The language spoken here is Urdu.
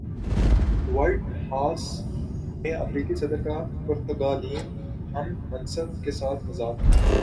وائٹ ہاس میں امریکی صدر کا پرتگالین ہم منصب کے ساتھ مذاق